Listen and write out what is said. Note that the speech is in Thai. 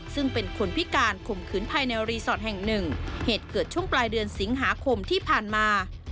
ซึ่งเป็นคนพิการข่มขืนภายในรีสอร์ทแห่งหนึ่งเหตุเกิดช่วงปลายเดือนสิงหาคมที่ผ่านมา